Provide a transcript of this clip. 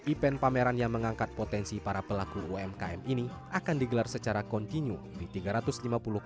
event pameran yang mengangkat potensi para pelaku umkm ini akan digelar secara kontinu di tiga ratus lima puluh